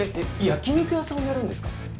焼き肉屋さんをやるんですか？